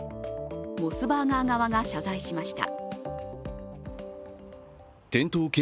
モスバーガー側が謝罪しました。